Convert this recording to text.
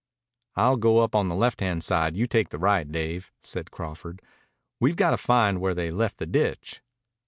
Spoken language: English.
"I'll go up on the left hand side, you take the right, Dave," said Crawford. "We've got to find where they left the ditch."